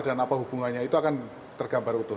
dan apa hubungannya itu akan tergambar utuh